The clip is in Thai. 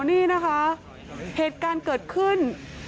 นี่นะคะเหตุการณ์เกิดขึ้น